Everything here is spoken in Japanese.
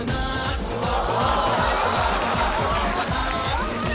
頑張れ！